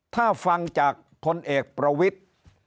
ถ้าฟังจากพลเอกประวิทธิ์